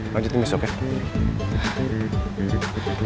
banting besok ya